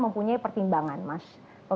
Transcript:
mempunyai pertimbangan mas